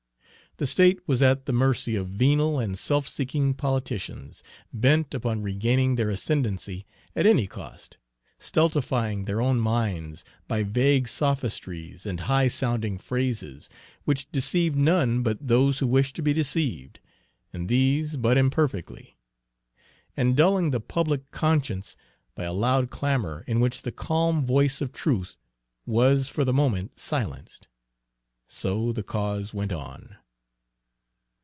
The state was at the mercy of venal and self seeking politicians, bent upon regaining their ascendency at any cost, stultifying their own minds by vague sophistries and high sounding phrases, which deceived none but those who wished to be deceived, and these but imperfectly; and dulling the public conscience by a loud clamor in which the calm voice of truth was for the moment silenced. So the cause went on.